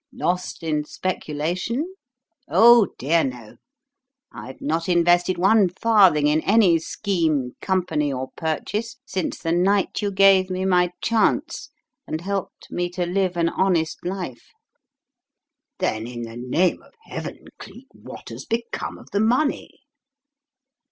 Lost in speculation? Oh, dear no! I've not invested one farthing in any scheme, company, or purchase since the night you gave me my chance and helped me to live an honest life." "Then in the name of Heaven, Cleek, what has become of the money?"